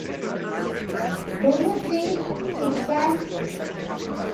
Do you think it can?